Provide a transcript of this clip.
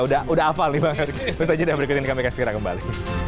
udah hafal nih bang terus aja berikut ini kami kembali